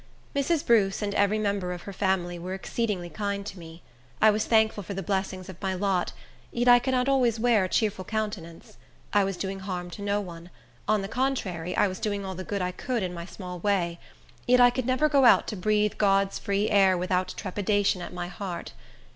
Mrs. Bruce, and every member of her family, were exceedingly kind to me. I was thankful for the blessings of my lot, yet I could not always wear a cheerful countenance. I was doing harm to no one; on the contrary, I was doing all the good I could in my small way; yet I could never go out to breathe God's free air without trepidation at my heart.